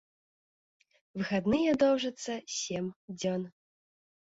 Выхадныя доўжацца сем дзён.